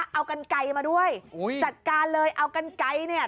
เอากันไกลมาด้วยจัดการเลยเอากันไกลเนี่ย